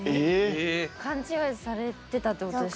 勘違いされてたってことですね。